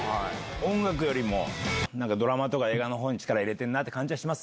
音楽よりもなんかドラマとか、映画のほうに力入れてるなっていう感じはします？